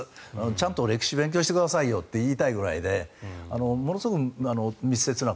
ちゃんと歴史勉強してくださいよと言いたいぐらいでものすごく密接な。